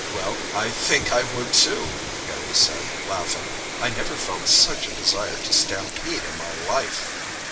"Well, I think I would, too," Harry said, laughing. "I never felt such a desire to stampede in my life."